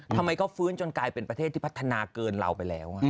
ทำไมก็ฟื้นจนกลายเป็นประเทศที่พัฒนาเกินเราไปแล้ว